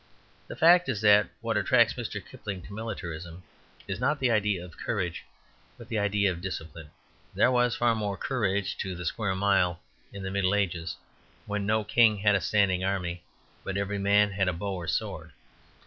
The fact is that what attracts Mr. Kipling to militarism is not the idea of courage, but the idea of discipline. There was far more courage to the square mile in the Middle Ages, when no king had a standing army, but every man had a bow or sword.